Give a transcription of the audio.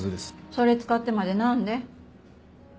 それ使ってまで何で？